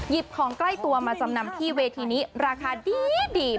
ของใกล้ตัวมาจำนำที่เวทีนี้ราคาดี